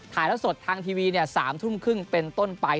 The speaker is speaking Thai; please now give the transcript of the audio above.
ถ่ายแล้วสดทางทีวี๓ทุ่มครึ่งเป็นต้นไป